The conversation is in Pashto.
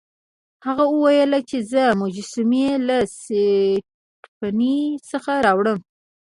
هغه وویل چې زه مجسمې له سټپني څخه راوړم.